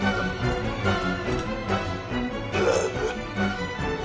「ラブ」